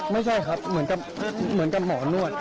ไม่ใช่ครับเหมือนกับหมอนวด